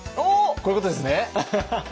こういうことですね？